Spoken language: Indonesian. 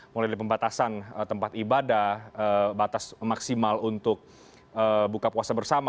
mulai dari pembatasan tempat ibadah batas maksimal untuk buka puasa bersama